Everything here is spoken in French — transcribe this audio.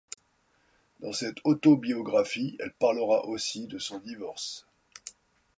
Dans cette autobiographie elle parlera aussi de son divorce.